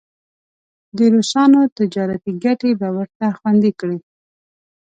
د روسانو تجارتي ګټې به ورته خوندي کړي.